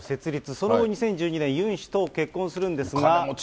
その後２０１２年、ユン氏と結婚するんですが。